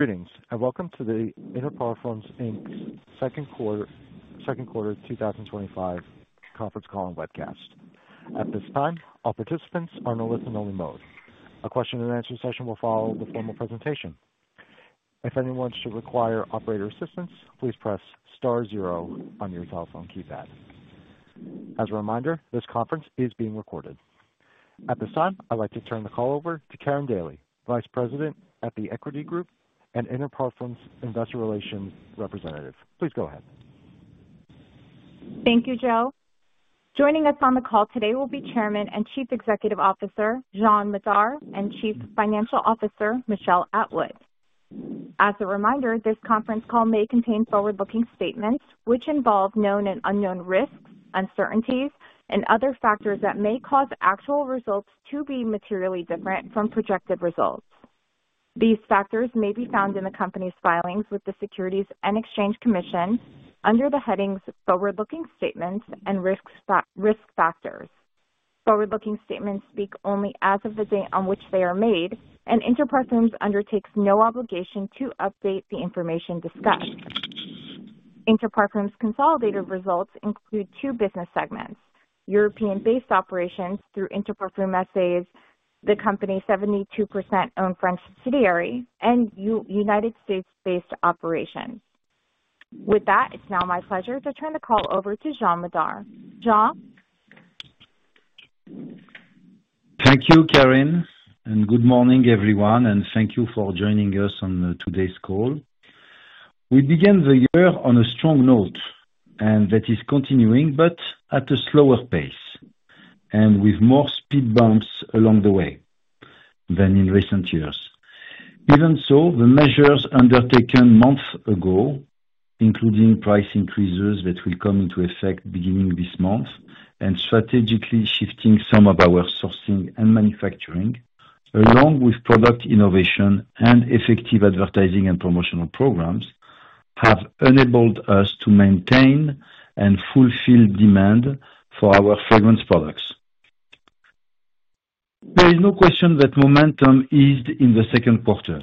Greetings and welcome to the Interparfums, Inc's Second Quarter 2025 Conference Call and Webcast. At this time, all participants are in a listen-only mode. A question and answer session will follow the formal presentation. If anyone wants to require operator assistance, please press *0 on your telephone keypad. As a reminder, this conference is being recorded. At this time, I'd like to turn the call over to Karin Daly, Vice President at The Equity Group and Interparfums Investor Relations Representative. Please go ahead. Thank you, Joe. Joining us on the call today will be Chairman and Chief Executive Officer, Jean Madar, and Chief Financial Officer, Michel Atwood. As a reminder, this conference call may contain forward-looking statements which involve known and unknown risks, uncertainties, and other factors that may cause actual results to be materially different from projected results. These factors may be found in the company's filings with the Securities and Exchange Commission under the headings Forward-Looking Statements and Risk Factors. Forward-looking statements speak only as of the date on which they are made, and Interparfums undertakes no obligation to update the information discussed. Interparfums' consolidated results include two business segments: European-based operations through Interparfums SA, the company's 72% owned French subsidiary, and United States-based operations. With that, it's now my pleasure to turn the call over to Jean Madar. Jean? Thank you, Karin, and good morning, everyone, and thank you for joining us on today's call. We began the year on a strong note, and that is continuing, but at a slower pace and with more speed bumps along the way than in recent years. Even so, the measures undertaken months ago, including price increases that will come into effect beginning this month and strategically shifting some of our sourcing and manufacturing, along with product innovation and effective advertising and promotional programs, have enabled us to maintain and fulfill demand for our fragrance products. There is no question that momentum eased in the second quarter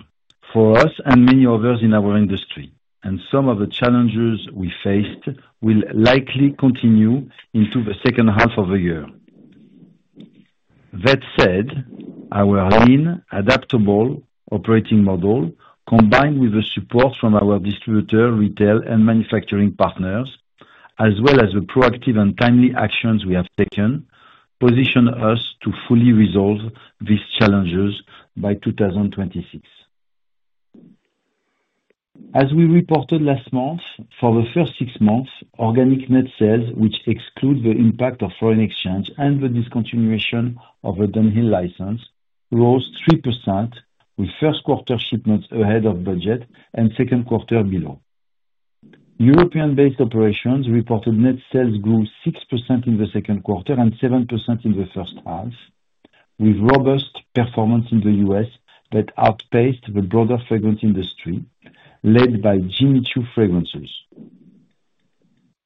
for us and many others in our industry, and some of the challenges we faced will likely continue into the second half of the year. That said, our lean, adaptable operating model, combined with the support from our distributor, retail, and manufacturing partners, as well as the proactive and timely actions we have taken, position us to fully resolve these challenges by 2026. As we reported last month, for the first six months, organic net sales, which exclude the impact of foreign exchange and the discontinuation of a Dunhill license, rose 3%, with first quarter shipments ahead of budget and second quarter below. European-based operations reported net sales grew 6% in the second quarter and 7% in the first half, with robust performance in the U.S. that outpaced the broader fragrance industry led by Jimmy Choo Fragrances.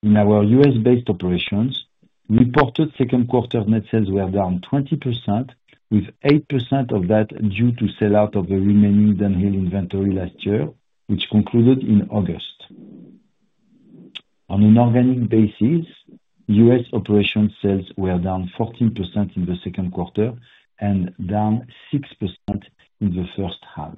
In our U.S.-based operations, reported second quarter net sales were down 20%, with 8% of that due to sell-out of the remaining Dunhill inventory last year, which concluded in August. On an organic basis, U.S. operations sales were down 14% in the second quarter and down 6% in the first half.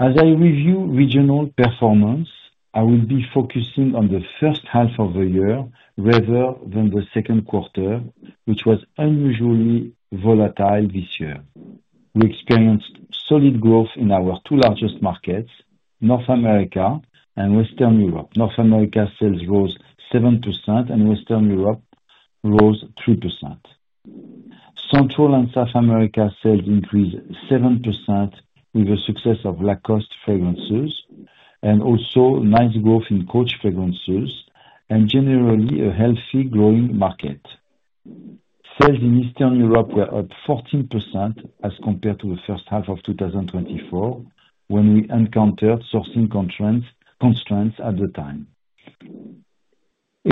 As I review regional performance, I will be focusing on the first half of the year rather than the second quarter, which was unusually volatile this year. We experienced solid growth in our two largest markets, North America and Western Europe. North America sales rose 7%, and Western Europe rose 3%. Central and South America sales increased 7% with the success of Lacoste Fragrances, and also nice growth in Coach Fragrances, and generally a healthy growing market. Sales in Eastern Europe were up 14% as compared to the first half of 2024, when we encountered sourcing constraints at the time.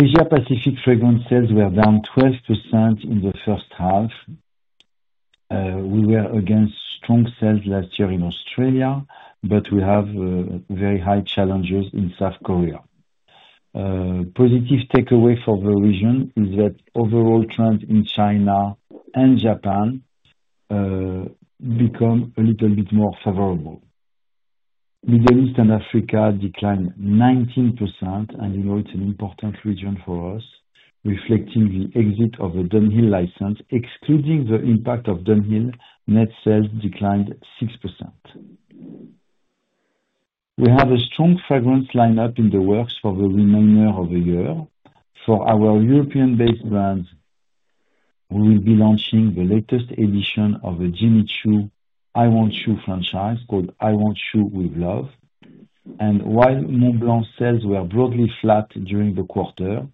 Asia-Pacific fragrance sales were down 12% in the first half. We were against strong sales last year in Australia, but we have very high challenges in South Korea. A positive takeaway for the region is that overall trends in China and Japan become a little bit more favorable. Middle East and Africa declined 19%, and you know it's an important region for us, reflecting the exit of a Dunhill license. Excluding the impact of Dunhill, net sales declined 6%. We have a strong fragrance lineup in the works for the remainder of the year. For our European-based brands, we will be launching the latest edition of the Jimmy Choo I Want Choo franchise called I Want Choo with Love. While Montblanc sales were broadly flat during the quarter,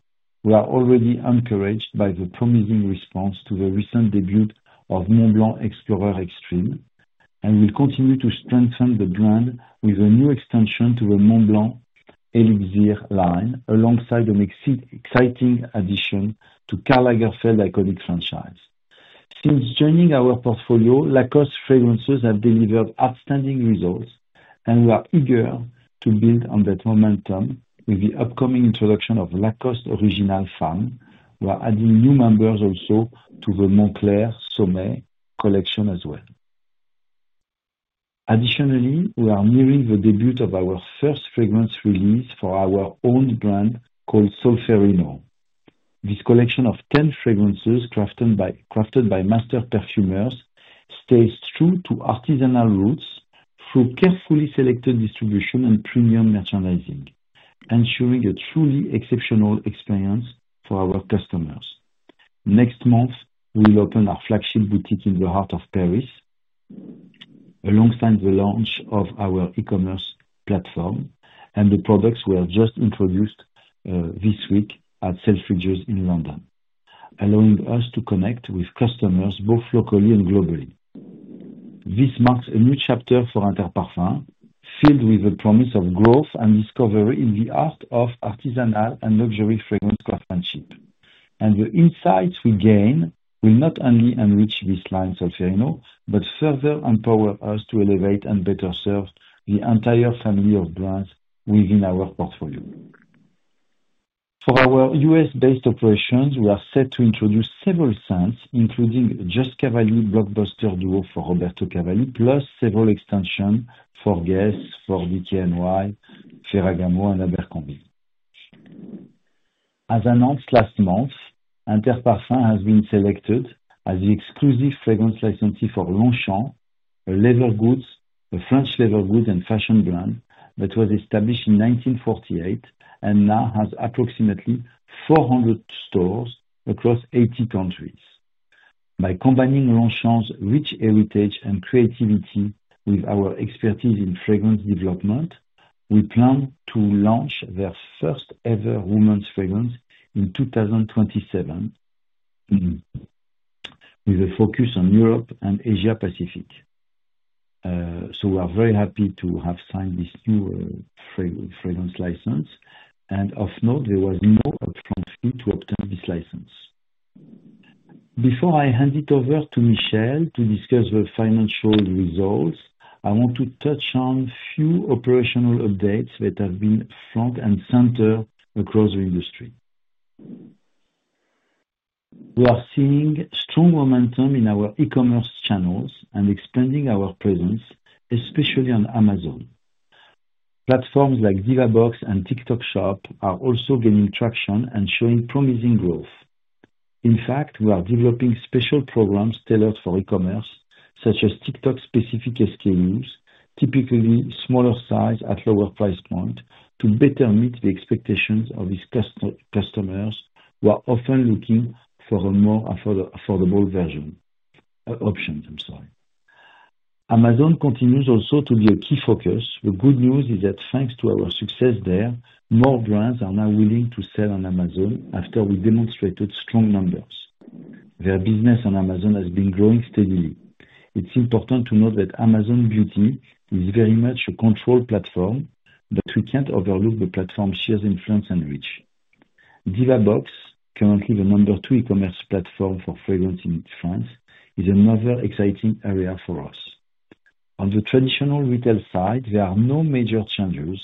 we are already encouraged by the promising response to the recent debut of Montblanc Explorer Extreme, and we'll continue to strengthen the brand with a new extension to the Montblanc Elixir line, alongside an exciting addition to the Karl Lagerfeld Ikonik franchise. Since joining our portfolio, Lacoste fragrances has delivered outstanding results, and we are eager to build on that momentum with the upcoming introduction of Lacoste Original Femme. We are adding new members also to the Moncler Sommet collection as well. Additionally, we are nearing the debut of our first fragrance release for our own brand called Solférino. This collection of 10 fragrances crafted by master perfumers stays true to artisanal roots through carefully selected distribution and premium merchandising, ensuring a truly exceptional experience for our customers. Next month, we'll open our flagship boutique in the heart of Paris, alongside the launch of our e-commerce platform and the products we have just introduced this week at Selfridges in London, allowing us to connect with customers both locally and globally. This marks a new chapter for Interparfums, filled with the promise of growth and discovery in the art of artisanal and luxury fragrance craftsmanship. The insights we gain will not only enrich this line, Solférino, but further empower us to elevate and better serve the entire family of brands within our portfolio. For our U.S.-based operations, we are set to introduce several scents, including the Just Cavalli blockbuster duo for Roberto Cavalli, plus several extensions for Guess, for DKNY, Ferragamo, and Abercrombie. As announced last month, Interparfums has been selected as the exclusive fragrance licensee for Longchamp, a fashion and leather goods brand that was established in 1948 and now has approximately 400 stores across 80 countries. By combining Longchamp's rich heritage and creativity with our expertise in fragrance development, we plan to launch their first-ever women's fragrance in 2027, with a focus on Europe and Asia-Pacific. We are very happy to have signed this new fragrance license. Of note, there was no upfront fee to obtain this license. Before I hand it over to Michel to discuss the financial results, I want to touch on a few operational updates that have been front and center across the industry. We are seeing strong momentum in our e-commerce channels and expanding our presence, especially on Amazon. Platforms like Divabox and TikTok Shop are also gaining traction and showing promising growth. In fact, we are developing special programs tailored for e-commerce, such as TikTok-specific SKUs, typically smaller size at lower price point, to better meet the expectations of these customers who are often looking for more affordable version options. Amazon continues also to be a key focus. The good news is that thanks to our success there, more brands are now willing to sell on Amazon after we demonstrated strong numbers. Their business on Amazon has been growing steadily. It's important to note that Amazon Beauty is very much a controlled platform, but we can't overlook the platform's sheer influence and reach. Divabox, currently the number two e-commerce platform for fragrance in France, is another exciting area for us. On the traditional retail side, there are no major changes.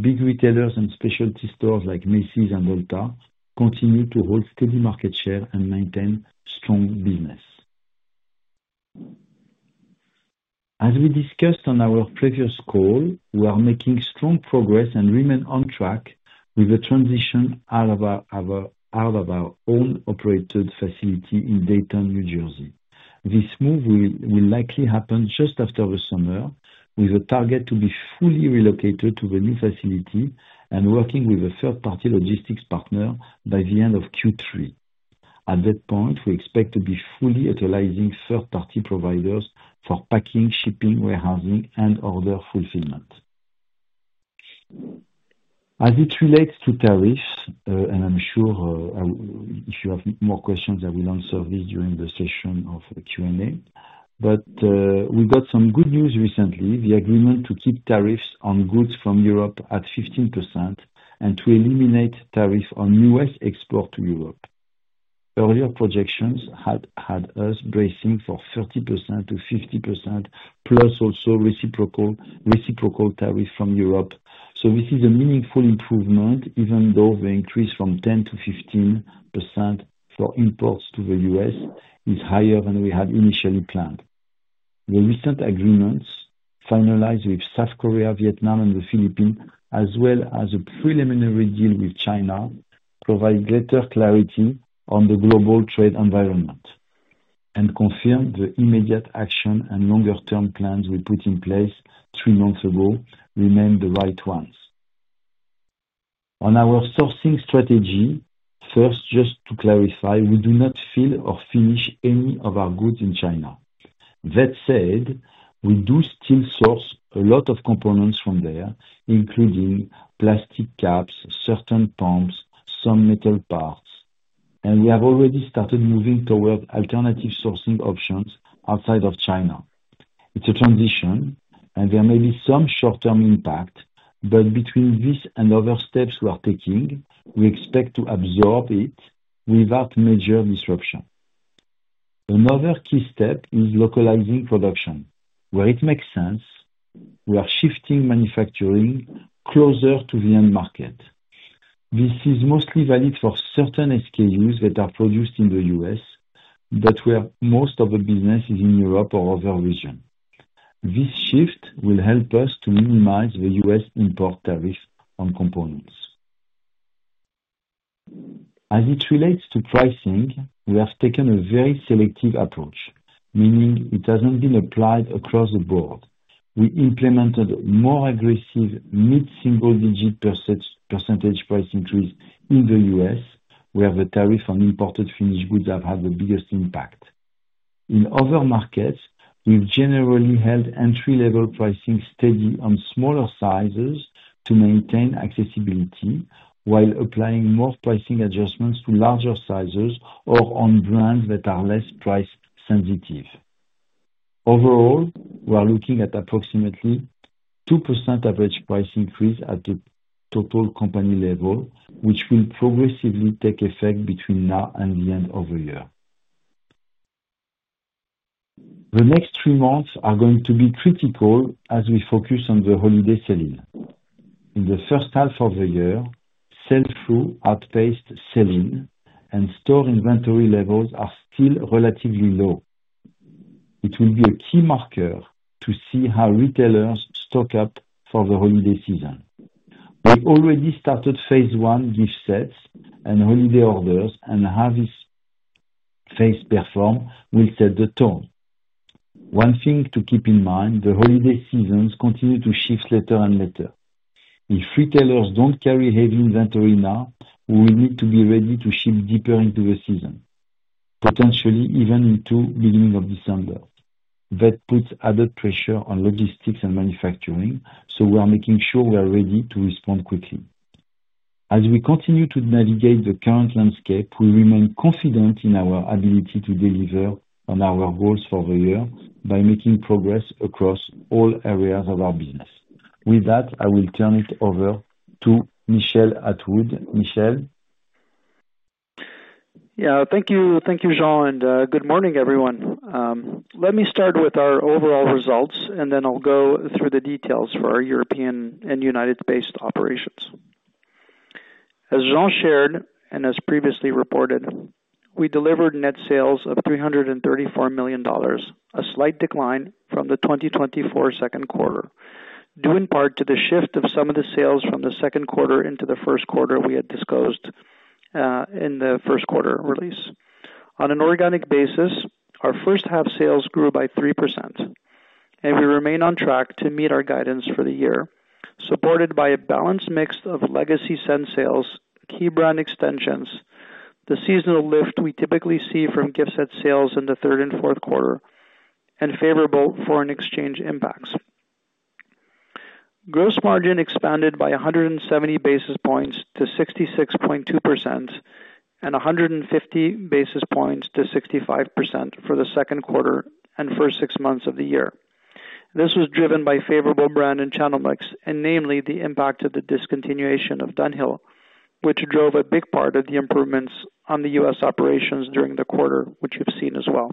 Big retailers and specialty stores like Macy's and Ulta continue to hold steady market share and maintain strong business. As we discussed on our previous call, we are making strong progress and remain on track with the transition out of our own operated facility in Dayton, New Jersey. This move will likely happen just after the summer, with the target to be fully relocated to the new facility and working with a third-party logistics partner by the end of Q3. At that point, we expect to be fully utilizing third-party providers for packing, shipping, warehousing, and order fulfillment. As it relates to tariffs, and I'm sure if you have more questions, I will answer these during the session of Q&A, but we got some good news recently: the agreement to keep tariffs on goods from Europe at 15% and to eliminate tariffs on U.S. export to Europe. Earlier projections had us bracing for 30%-50%, plus also reciprocal tariffs from Europe. This is a meaningful improvement, even though the increase from 10% to 15% for imports to the U.S. is higher than we had initially planned. The recent agreements finalized with South Korea, Vietnam, and the Philippines, as well as a preliminary deal with China, provide greater clarity on the global trade environment and confirm the immediate action and longer-term plans we put in place three months ago remain the right ones. On our sourcing strategy, first, just to clarify, we do not fill or finish any of our goods in China. That said, we do still source a lot of components from there, including plastic caps, certain pumps, some metal parts, and we have already started moving toward alternative sourcing options outside of China. It's a transition, and there may be some short-term impact, but between this and other steps we are taking, we expect to absorb it without major disruption. Another key step is localizing production. Where it makes sense, we are shifting manufacturing closer to the end market. This is mostly valid for certain SKUs that are produced in the U.S., but where most of the business is in Europe or other regions. This shift will help us to minimize the U.S. import tariffs on components. As it relates to pricing, we have taken a very selective approach, meaning it hasn't been applied across the board. We implemented more aggressive mid-single-digit percentage price increase in the U.S., where the tariff on imported finished goods has had the biggest impact. In other markets, we've generally held entry-level pricing steady on smaller sizes to maintain accessibility while applying more pricing adjustments to larger sizes or on brands that are less price-sensitive. Overall, we're looking at approximately a 2% average price increase at the total company level, which will progressively take effect between now and the end of the year. The next three months are going to be critical as we focus on the holiday selling. In the first half of the year, sales grew outpaced selling, and store inventory levels are still relatively low. It will be a key marker to see how retailers stock up for the holiday season. We've already started phase one gift sales and holiday orders, and how this phase performs will set the tone. One thing to keep in mind: the holiday seasons continue to shift later and later. If retailers don't carry heavy inventory now, we will need to be ready to ship deeper into the season, potentially even into the beginning of December. That puts added pressure on logistics and manufacturing, so we are making sure we are ready to respond quickly. As we continue to navigate the current landscape, we remain confident in our ability to deliver on our goals for the year by making progress across all areas of our business. With that, I will turn it over to Michel Atwood. Michel? Thank you, thank you, Jean, and good morning, everyone. Let me start with our overall results, and then I'll go through the details for our European and United States operations. As Jean shared and as previously reported, we delivered net sales of $334 million, a slight decline from the 2024 second quarter, due in part to the shift of some of the sales from the second quarter into the first quarter we had disclosed in the first quarter release. On an organic basis, our first half sales grew by 3%, and we remain on track to meet our guidance for the year, supported by a balanced mix of legacy scent sales, key brand extensions, the seasonal lift we typically see from gift set sales in the third and fourth quarter, and favorable foreign exchange impacts. Gross margin expanded by 170 basis points to 66.2% and 150 basis points to 65% for the second quarter and first six months of the year. This was driven by favorable brand and channel mix, and namely the impact of the discontinuation of Dunhill, which drove a big part of the improvements on the U.S. operations during the quarter, which you've seen as well.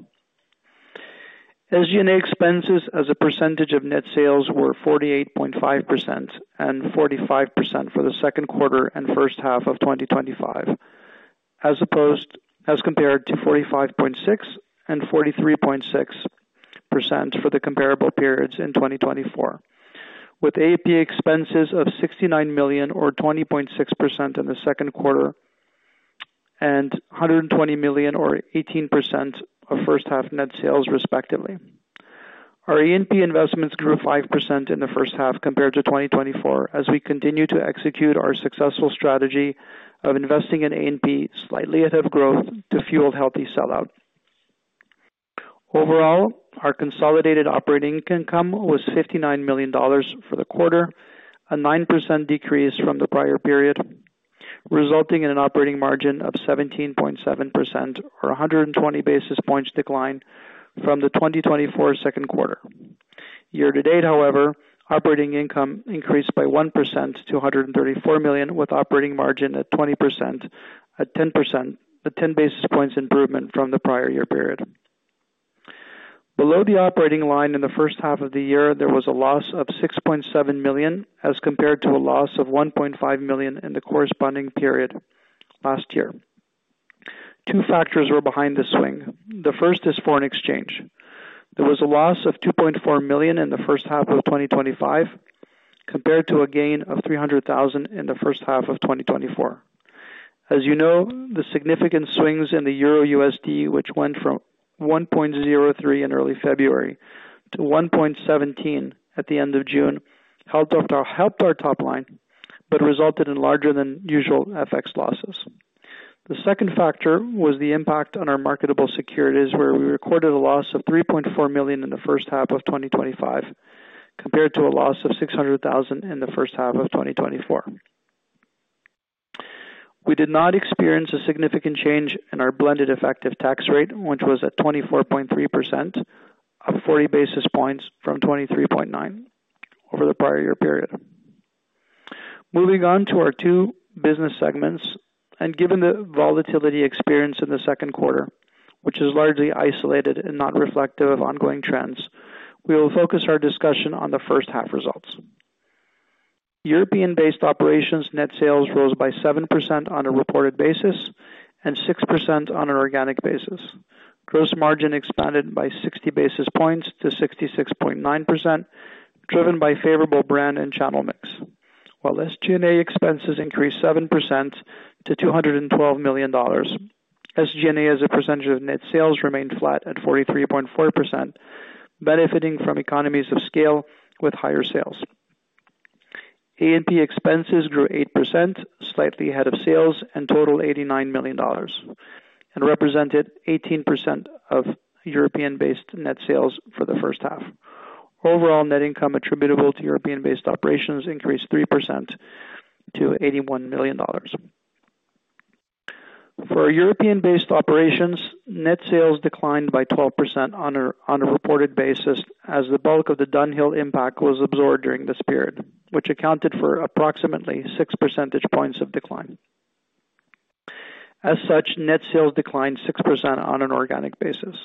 SG&A expenses as a percentage of net sales were 48.5% and 45% for the second quarter and first half of 2025, as compared to 45.6% and 43.6% for the comparable periods in 2024, with A&P expenses of $69 million, or 20.6% in the second quarter, and $120 million, or 18% of first half net sales, respectively. Our A&P investments grew 5% in the first half compared to 2024, as we continue to execute our successful strategy of investing in A&P slightly ahead of growth to fuel healthy sell-out. Overall, our consolidated operating income was $59 million for the quarter, a 9% decrease from the prior period, resulting in an operating margin of 17.7% or 120 basis points decline from the 2024 second quarter. Year to date, however, operating income increased by 1% to $134 million, with operating margin at 20%, a 10 basis points improvement from the prior year period. Below the operating line in the first half of the year, there was a loss of $6.7 million as compared to a loss of $1.5 million in the corresponding period last year. Two factors were behind this swing. The first is foreign exchange. There was a loss of $2.4 million in the first half of 2025 compared to a gain of $300,000 in the first half of 2024. As you know, the significant swings in the EUR/USD, which went from 1.03 in early February to 1.17 at the end of June, helped our top line, but resulted in larger than usual FX losses. The second factor was the impact on our marketable securities, where we recorded a loss of $3.4 million in the first half of 2025 compared to a loss of $600,000 million in the first half of 2024. We did not experience a significant change in our blended effective tax rate, which was at 24.3%, up 40 basis points from 23.9% over the prior year period. Moving on to our two business segments, and given the volatility experienced in the second quarter, which is largely isolated and not reflective of ongoing trends, we will focus our discussion on the first half results. European-based operations net sales rose by 7% on a reported basis and 6% on an organic basis. Gross margin expanded by 60 basis points to 66.9%, driven by favorable brand and channel mix. While SG&A expenses increased 7% to $212 million, SG&A as a percentage of net sales remained flat at 43.4%, benefiting from economies of scale with higher sales. A&P expenses grew 8%, slightly ahead of sales, and totaled $89 million and represented 18% of European-based net sales for the first half. Overall net income attributable to European-based operations increased 3% to $81 million. For European-based operations, net sales declined by 12% on a reported basis as the bulk of the Dunhill impact was absorbed during this period, which accounted for approximately six percentage points of decline. As such, net sales declined 6% on an organic basis.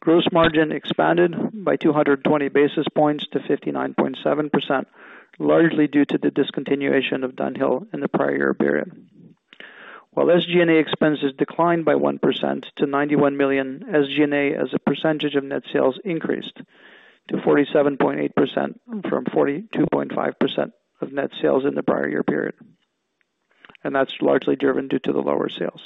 Gross margin expanded by 220 basis points to 59.7%, largely due to the discontinuation of Dunhill in the prior year period. While SG&A expenses declined by 1% to $91 million, SG&A as a percentage of net sales increased to 47.8% from 42.5% of net sales in the prior year period, and that's largely driven due to the lower sales.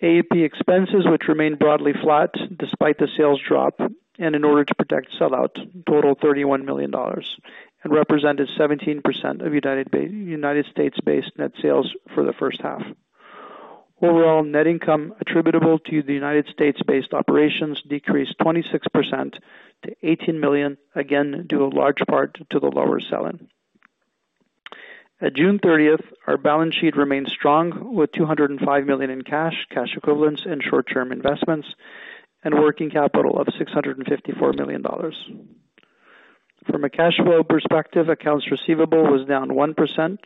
A&P expenses, which remained broadly flat despite the sales drop and in order to protect sell-out, totaled $31 million and represented 17% of United States-based net sales for the first half. Overall net income attributable to the United States-based operations decreased 26% to $18 million, again due in large part to the lower sell-in. At June 30th, our balance sheet remains strong with $205 million in cash, cash equivalents, and short-term investments, and a working capital of $654 million. From a cash flow perspective, accounts receivable was down 1%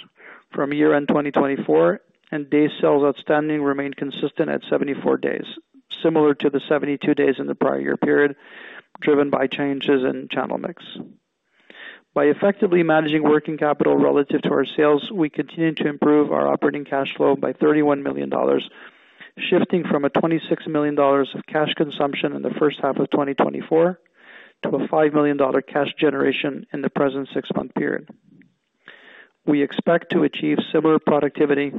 from year-end 2024, and day sales outstanding remained consistent at 74 days, similar to the 72 days in the prior year period, driven by changes in channel mix. By effectively managing working capital relative to our sales, we continued to improve our operating cash flow by $31 million, shifting from a $26 million cash consumption in the first half of 2024 to a $5 million cash generation in the present six-month period. We expect to achieve similar productivity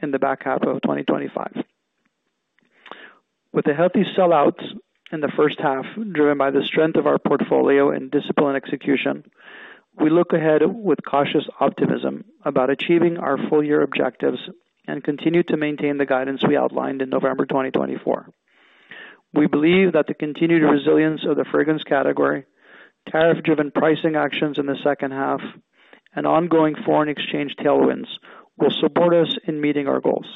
in the back half of 2025. With a healthy sell-out in the first half, driven by the strength of our portfolio and disciplined execution, we look ahead with cautious optimism about achieving our full-year objectives and continue to maintain the guidance we outlined in November 2024. We believe that the continued resilience of the fragrance category, tariff-driven pricing actions in the second half, and ongoing foreign exchange tailwinds will support us in meeting our goals.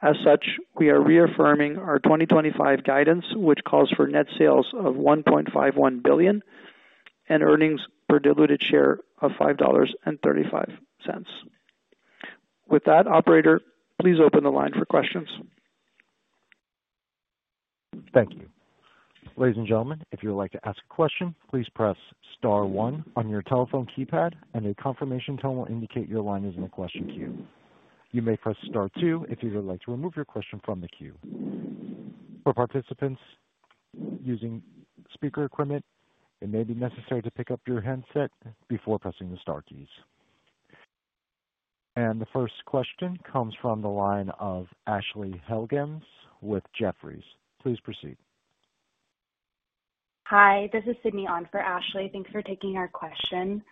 As such, we are reaffirming our 2025 guidance, which calls for net sales of $1.51 billion and earnings per diluted share of $5.35. With that, operator, please open the line for questions. Thank you. Ladies and gentlemen, if you would like to ask a question, please press *1 on your telephone keypad, and a confirmation tone will indicate your line is in the question queue. You may press *2 if you would like to remove your question from the queue. For participants using speaker equipment, it may be necessary to pick up your headset before pressing the * keys. The first question comes from the line of Ashley Helgans with Jefferies. Please proceed. Hi. This is Sydney on for Ashley Helkins. Thanks for taking our question.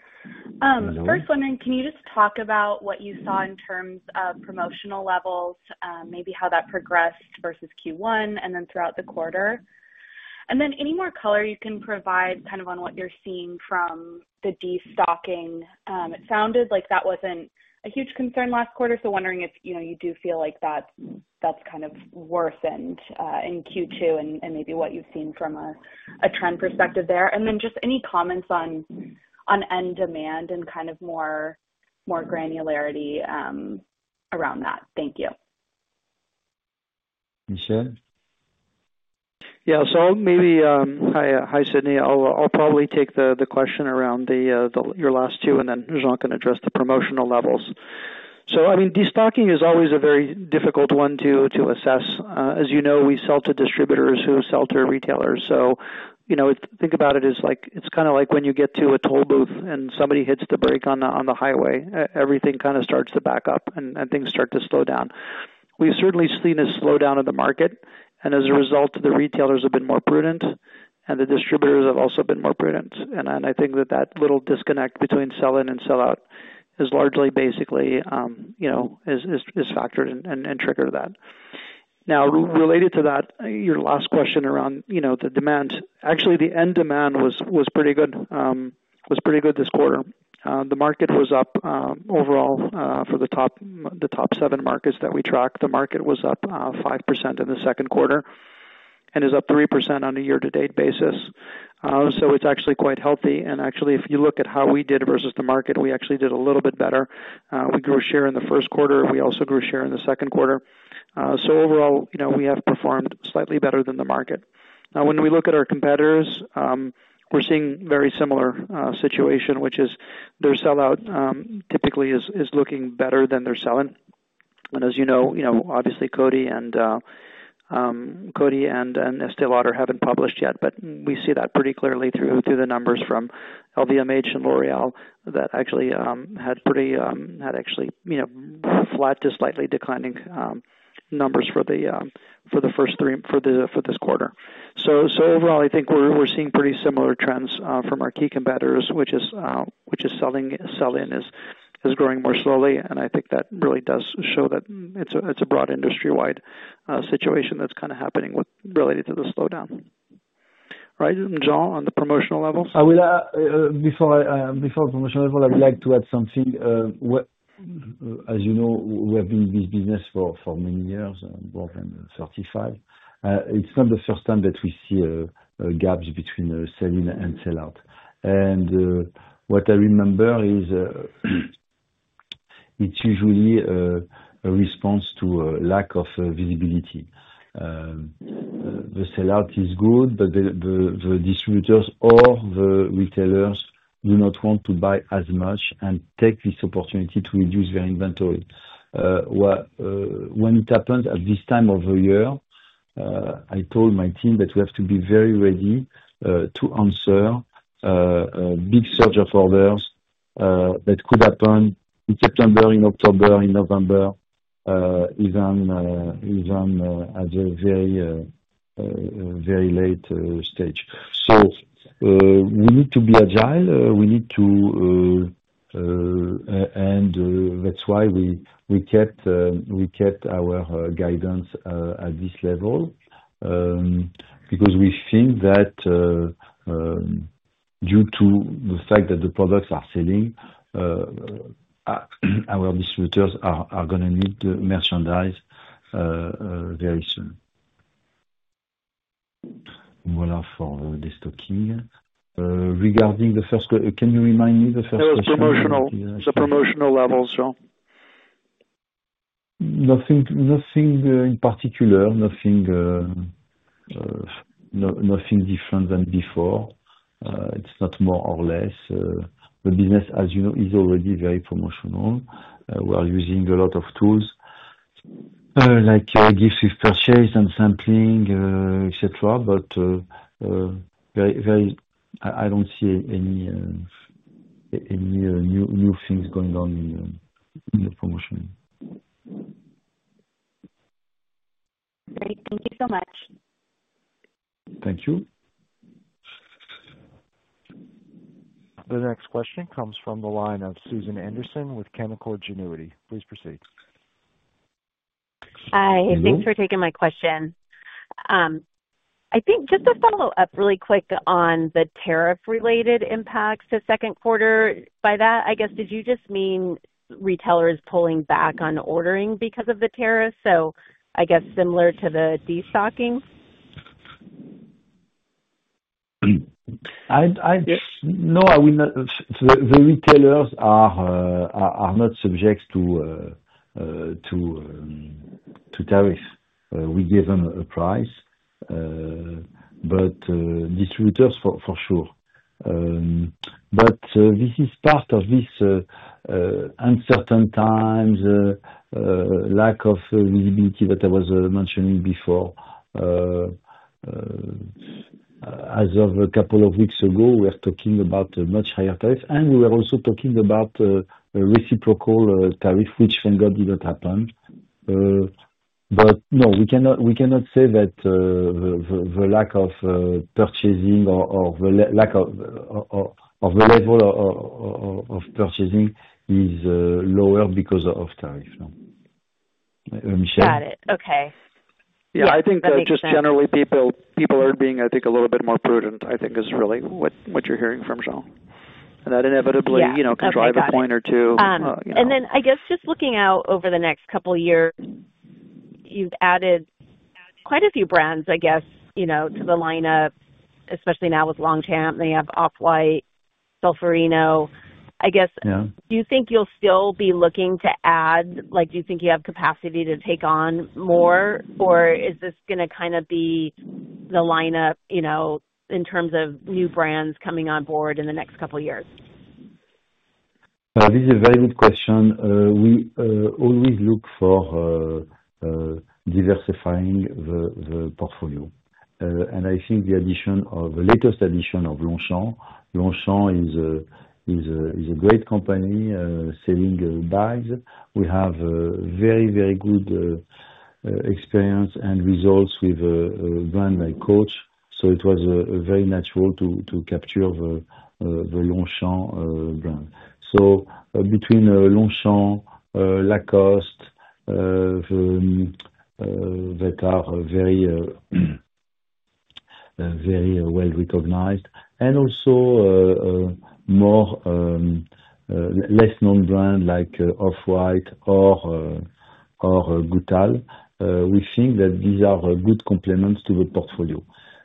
Hello. First, wondering, can you just talk about what you saw in terms of promotional levels, maybe how that progressed vs. Q1 and then throughout the quarter? Any more color you can provide on what you're seeing from the destocking? It sounded like that wasn't a huge concern last quarter, so wondering if you do feel like that's kind of worsened in Q2 and maybe what you've seen from a trend perspective there. Any comments on end demand and more granularity around that? Thank you. Michel? Yeah. Hi, Sydney. I'll probably take the question around your last two, and then Jean can address the promotional levels. Destocking is always a very difficult one to assess. As you know, we sell to distributors who sell to retailers. Think about it as like when you get to a toll booth and somebody hits the brake on the highway. Everything kind of starts to back up and things start to slow down. We've certainly seen a slowdown in the market, and as a result, the retailers have been more prudent, and the distributors have also been more prudent. I think that that little disconnect between sell-in and sell-out is largely, basically, factored in and triggered that. Now, related to that, your last question around the demand, actually, the end demand was pretty good this quarter. The market was up overall for the top seven markets that we tracked. The market was up 5% in the second quarter and is up 3% on a year-to-date basis. It's actually quite healthy. If you look at how we did vs. the market, we actually did a little bit better. We grew share in the first quarter. We also grew share in the second quarter. Overall, we have performed slightly better than the market. When we look at our competitors, we're seeing a very similar situation, which is their sell-out typically is looking better than their sell-in. As you know, obviously, Coty and Estée Lauder haven't published yet, but we see that pretty clearly through the numbers from LVMH and L'Oréal that actually had flat to slightly declining numbers for the first three for this quarter. Overall, I think we're seeing pretty similar trends from our key competitors, which is sell-in is growing more slowly. I think that really does show that it's a broad industry-wide situation that's kind of happening related to the slowdown. Right, Jean, on the promotional level? Before the promotional level, I would like to add something. As you know, we have been in this business for many years, more than 35. It's not the first time that we see gaps between sell-in and sell-out. What I remember is it's usually a response to a lack of visibility. The sell-out is good, but the distributors or the retailers do not want to buy as much and take this opportunity to reduce their inventory. When it happens at this time of the year, I told my team that we have to be very ready to answer a big surge of orders that could happen in September, in October, in November, even at a very late stage. We need to be agile. That's why we kept our guidance at this level because we think that due to the fact that the products are selling, our distributors are going to need the merchandise very soon. Voilà for the destocking. Regarding the first quarter, can you remind me the first quarter? The promotional levels, Jean? Nothing in particular. Nothing different than before. It's not more or less. The business, as you know, is already very promotional. We are using a lot of tools like gift with purchase and sampling, etc., but very, very, I don't see any new things going on in the promotion. Thank you so much. Thank you. The next question comes from the line of Susan Anderson with Canaccord Genuity. Please proceed. Hi. Thanks for taking my question. I think just to follow up really quick on the tariff-related impacts to second quarter, by that, I guess, did you just mean retailers pulling back on ordering because of the tariffs? I guess similar to the destocking? No, I would not. The retailers are not subject to tariffs. We give them a price, but distributors for sure. This is part of these uncertain times, lack of visibility that I was mentioning before. As of a couple of weeks ago, we were talking about a much higher tariff, and we were also talking about a reciprocal tariff, which thank God did not happen. No, we cannot say that the lack of purchasing or the lack of the level of purchasing is lower because of tariffs. Michel. Got it. Okay. I think that just generally people are being, I think, a little bit more prudent. I think that is really what you're hearing from Jean, and that inevitably could drive a point or two. I guess just looking out over the next couple of years, you've added quite a few brands, I guess, you know, to the lineup, especially now with Longchamp. They have Off-White, Solférino. I guess, do you think you'll still be looking to add, like, do you think you have capacity to take on more, or is this going to kind of be the lineup, you know, in terms of new brands coming on board in the next couple of years? Now, this is a very good question. We always look for diversifying the portfolio. I think the addition of the latest addition of Longchamp. Longchamp is a great company selling bags. We have a very, very good experience and results with a brand like Coach. It was very natural to capture the Longchamp brand. Between Longchamp, Lacoste, that are very, very well recognized, and also less known brands like Off-White or Goutal, we think that these are good complements to the portfolio.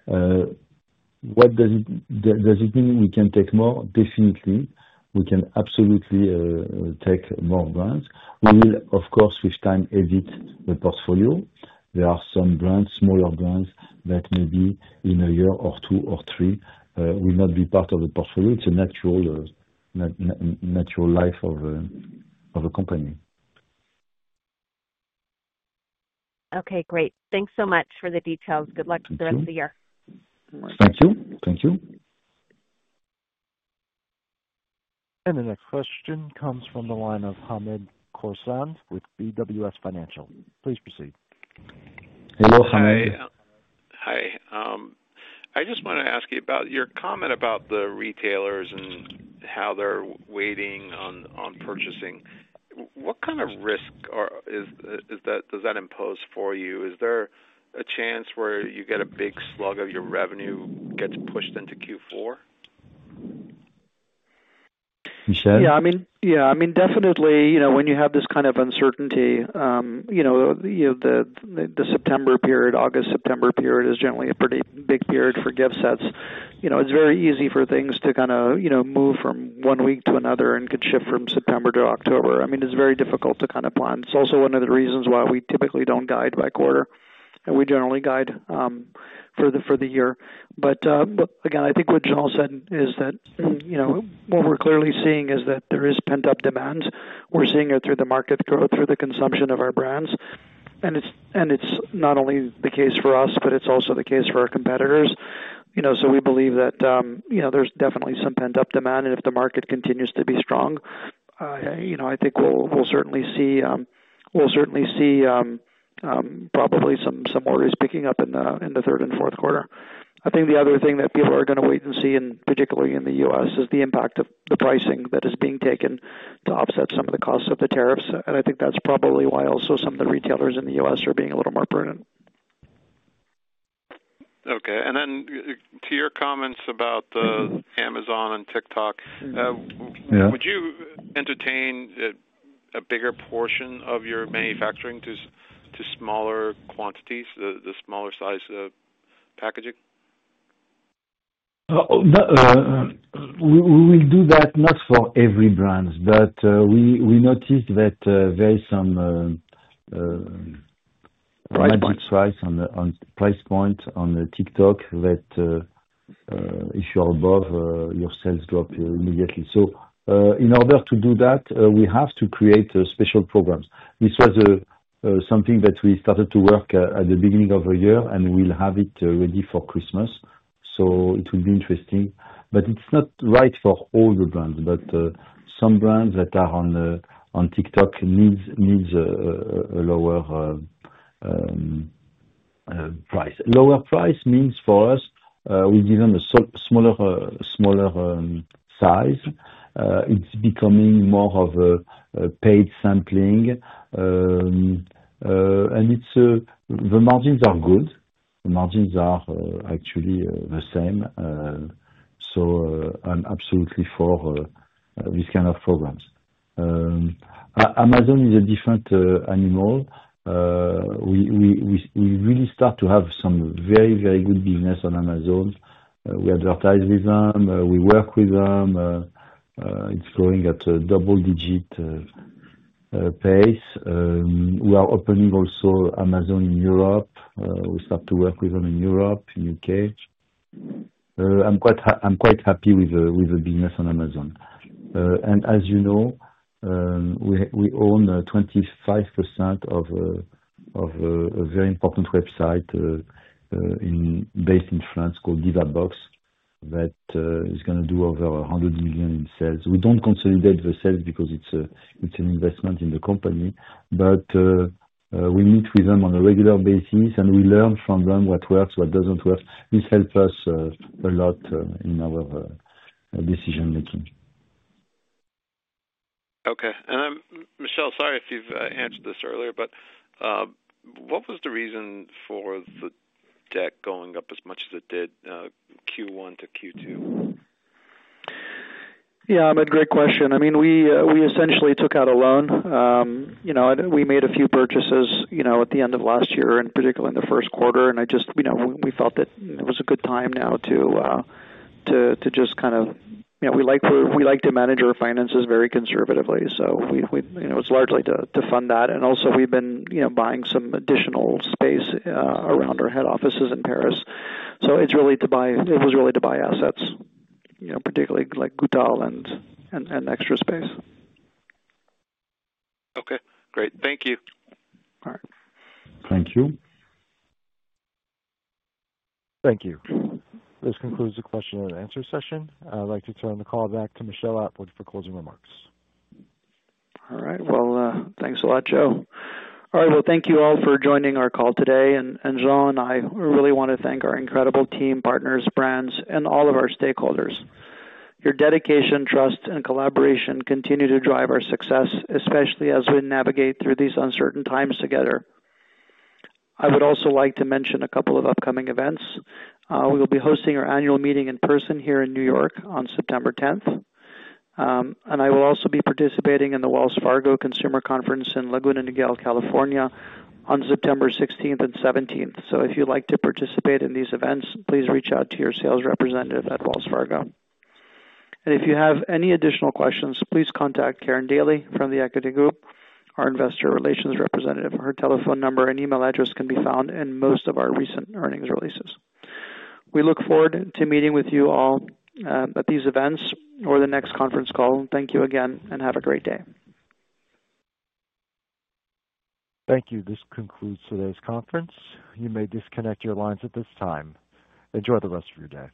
What does it mean? We can take more? Definitely. We can absolutely take more brands. We will, of course, with time, edit the portfolio. There are some brands, smaller brands, that maybe in a year or two or three will not be part of the portfolio. It's a natural life of a company. Okay. Great. Thanks so much for the details. Good luck with the rest of the year. Thank you. Thank you. The next question comes from the line of Hamed Khorsand with BWS Financial. Please proceed. Hello, Hamed. Hi, I just want to ask you about your comment about the retailers and how they're waiting on purchasing. What kind of risk does that impose for you? Is there a chance where you get a big slug of your revenue gets pushed into Q4? Michel? Yeah, definitely, you know, when you have this kind of uncertainty, the September period, August-September period is generally a pretty big period for gift sets. It's very easy for things to kind of move from one week to another and could shift from September to October. It's very difficult to kind of plan. It's also one of the reasons why we typically don't guide by quarter, and we generally guide for the year. I think what Jean said is that what we're clearly seeing is that there is pent-up demand. We're seeing it through the market growth, through the consumption of our brands. It's not only the case for us, but it's also the case for our competitors. We believe that there's definitely some pent-up demand. If the market continues to be strong, I think we'll certainly see probably some orders picking up in the third and fourth quarter. I think the other thing that people are going to wait and see, particularly in the U.S., is the impact of the pricing that is being taken to offset some of the costs of the tariffs. I think that's probably why also some of the retailers in the U.S. are being a little more prudent. Okay. To your comments about Amazon and TikTok, would you entertain a bigger portion of your manufacturing to smaller quantities, the smaller size packaging? We will do that not for every brand, but we noticed that there is some magic trick on the price point on TikTok that if you are above, your sales drop immediately. In order to do that, we have to create special programs. This was something that we started to work at the beginning of the year, and we'll have it ready for Christmas. It will be interesting. It's not right for all the brands, but some brands that are on TikTok need a lower price. Lower price means for us, we give them a smaller size. It's becoming more of a paid sampling. The margins are good. The margins are actually the same. I'm absolutely for these kinds of programs. Amazon is a different animal. We really start to have some very, very good business on Amazon. We advertise with them. We work with them. It's growing at a double-digit pace. We are opening also Amazon in Europe. We start to work with them in Europe, in the U.K. I'm quite happy with the business on Amazon. As you know, we own 25% of a very important website based in France called Divabox that is going to do over $100 million in sales. We don't consolidate the sales because it's an investment in the company, but we meet with them on a regular basis, and we learn from them what works, what doesn't work. This helps us a lot in our decision-making. Okay. Michel, sorry if you've answered this earlier, but what was the reason for the debt going up as much as it did Q1 to Q2? Yeah, great question. I mean, we essentially took out a loan. We made a few purchases at the end of last year, and particularly in the first quarter. We felt that it was a good time now to just kind of, you know, we like to manage our finances very conservatively. It's largely to fund that. Also, we've been buying some additional space around our head offices in Paris. It's really to buy, it was really to buy assets, particularly like Annick Goutal and extra space. Okay. Great. Thank you. All right. Thank you. Thank you. This concludes the question and answer session. I'd like to turn the call back to Michel Atwood for closing remarks. Thank you all for joining our call today. Jean and I really want to thank our incredible team, partners, brands, and all of our stakeholders. Your dedication, trust, and collaboration continue to drive our success, especially as we navigate through these uncertain times together. I would also like to mention a couple of upcoming events. We will be hosting our annual meeting in person here in New York on September 10th. I will also be participating in the Wells Fargo Consumer Conference in Laguna Niguel, California, on September 16th and 17th. If you'd like to participate in these events, please reach out to your sales representative at Wells Fargo. If you have any additional questions, please contact Karin Daly from The Equity Group, our Investor Relations Representative. Her telephone number and email address can be found in most of our recent earnings releases. We look forward to meeting with you all at these events or the next conference call. Thank you again, and have a great day. Thank you. This concludes today's conference. You may disconnect your lines at this time. Enjoy the rest of your day.